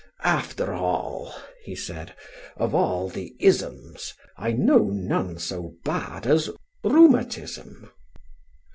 "After all," he said, "of all the 'isms, I know none so bad as rheumatism."